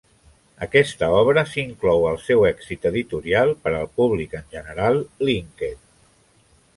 Aquesta obra s'inclou al seu èxit editorial per al públic en general , "Linked".